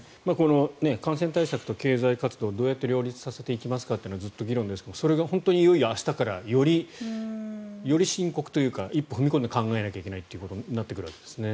感染対策と経済活動をどうやって両立させていきますかというのは、ずっと議論ですがそれがいよいよ明日からより深刻というか一歩踏み込んで考えないといけないことになってくるわけですね。